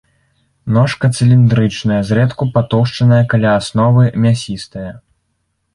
Ножка цыліндрычная, зрэдку патоўшчаная каля асновы, мясістая.